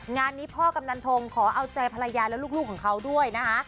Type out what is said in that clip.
งานนี้พ่อกำนันทงขอเอาใจภรรยาและลูกของเขาด้วยนะคะ